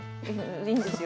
いいんですよ。